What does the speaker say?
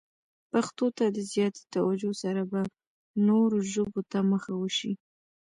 پښتو ته د زیاتې توجه سره به نورو ژبو ته مخه وشي.